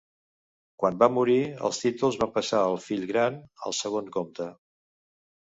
Quan va morir, els títols van passar al fill gran, el segon comte.